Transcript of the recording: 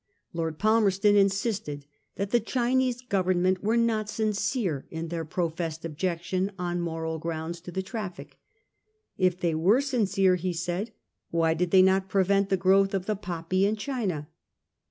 Lord Palmerston insisted that the Chinese Government were not sin cere in their professed objection on moral grounds to the traffic. If they were sincere, he asked, why did they not prevent the growth of the poppy in China